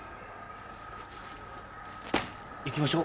行きましょう。